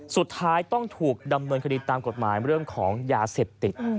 สุดท้ายต้องถูกดำเนินคดีตามกฎหมายเรื่องของยาเสพติด